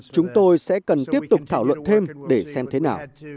chúng tôi sẽ cần tiếp tục thảo luận thêm để xem thế nào